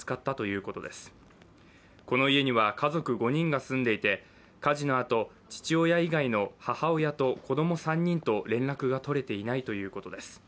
この家には家族５人が住んでいて火事のあと父親以外の母親と子供３人と連絡が取れていないということです。